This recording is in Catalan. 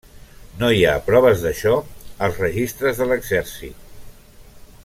No hi ha proves d'això als registres de l'exèrcit.